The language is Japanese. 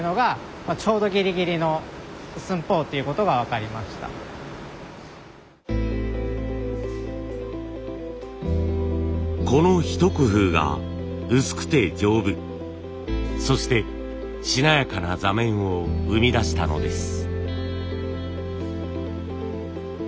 それをまあ探していったらこのひと工夫が薄くて丈夫そしてしなやかな座面を生み出したのです。